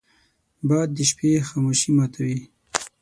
باد د شپې خاموشي ماتوي